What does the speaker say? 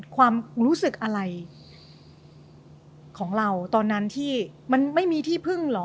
ความรู้สึกอะไรของเราตอนนั้นที่มันไม่มีที่พึ่งเหรอ